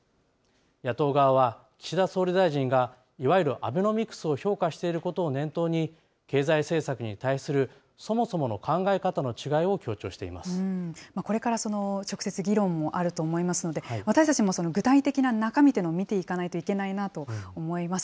野党側は、岸田総理大臣がいわゆるアベノミクスを評価していることを念頭に、経済政策に対するそもそもの考え方の違いを強調してこれから直接議論もあると思いますので、私たちも具体的な中身というのを見ていかないといけないなと思います。